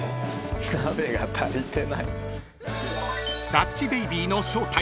［ダッチベイビーの正体